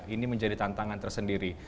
ini menjadi tantangan tersendiri